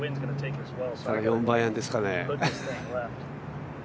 ４番アイアンですかね？